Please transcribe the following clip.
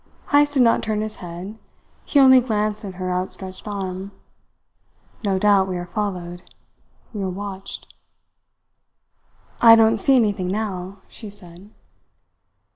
Heyst did not turn his head; he only glanced at her out stretched arm. "No doubt we are followed; we are watched." "I don't see anything now," she said.